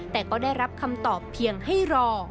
แต่ก็ได้รับคำตอบเพียงให้รอ